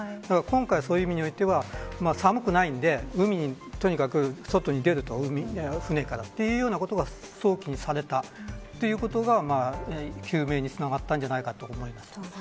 そういう意味においては今回、寒くないので海にとにかく外に出ると船から、というようなことが早期にされたということが救命につながったのではないかと思います。